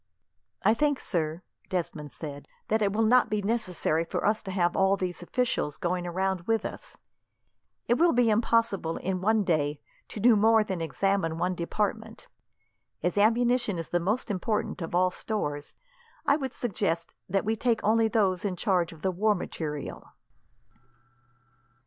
"I think, sir," Desmond said, "that it will not be necessary for us to have all these officials going round with us. It will be impossible, in one day, to do more than examine one department. As ammunition is the most important of all stores, I would suggest that we take only those in charge of the war material."